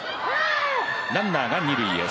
ランナー二塁へ。